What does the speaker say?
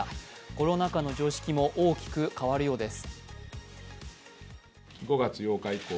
コロナ禍の定式も大きく変わるようです。